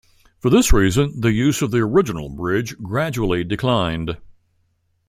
For this reason, the use of the original bridge gradually declined.